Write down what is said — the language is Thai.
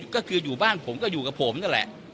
ก็คืออยู่บ้านผมก็อยู่กับผมนั่นแหละ